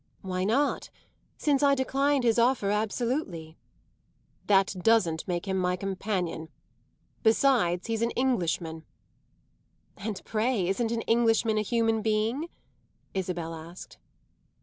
"Why not since I declined his offer absolutely?" "That doesn't make him my companion. Besides, he's an Englishman." "And pray isn't an Englishman a human being?" Isabel asked.